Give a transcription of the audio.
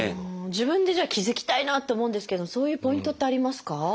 自分でじゃあ気付きたいなって思うんですけどそういうポイントってありますか？